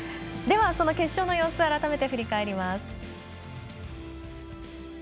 では、その決勝の様子改めて振り返ります。